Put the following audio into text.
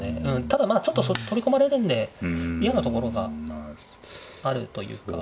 ただまあちょっと取り込まれるんで嫌なところがあるというか。